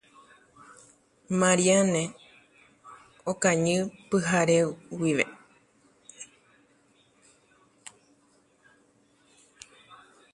Marianne huye en la noche.